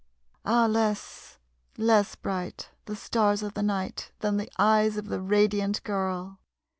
Ah, less less bright The stars of the night Than the eyes of the radiant girl!